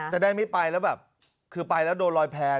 จะได้ไม่ไปแล้วแบบคือไปแล้วโดนลอยแพร่